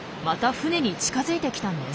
船に近づいてきたんです。